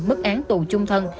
mức án tù chung thân